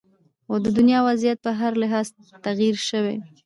خو د دنیا وضعیت په هر لحاظ تغیر شوې